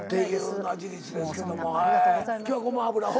今日はごま油を？